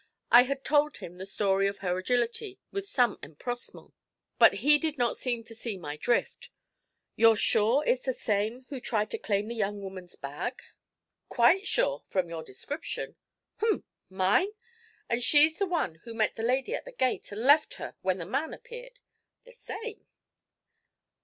I had told him the story of her agility with some empressement, but he did not seem to see my drift. 'You're sure it's the same who tried to claim the young woman's bag?' 'Quite sure from your description.' 'Umph! Mine? And she's the one who met the lady at the gate, and left her when the man appeared?' 'The same.'